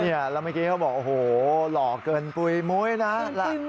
แล้วเมื่อกี้เขาบอกโอ้โหหล่อเกินปุ๋ยมุ้ยนะ